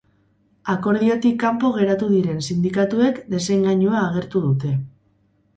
Akordiotik kanpo geratu diren sindikatuek desengainua agertu dute.